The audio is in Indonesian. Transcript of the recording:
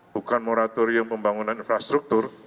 bukan moratorium pembangunan infrastruktur